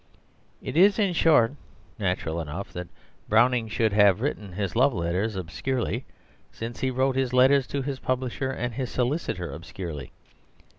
It is, in short, natural enough that Browning should have written his love letters obscurely, since he wrote his letters to his publisher and his solicitor obscurely.